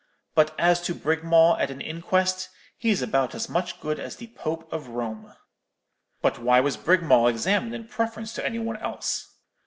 But as to Brigmawl at an inquest, he's about as much good as the Pope of Rome.' "'But why was Brigmawl examined in preference to any one else?'